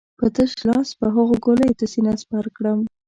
په تش لاس به هغو ګولیو ته سينه سپر کړم.